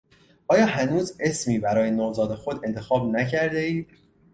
آیا هنوز اسمی برای نوزاد خود انتخاب نکردهاید؟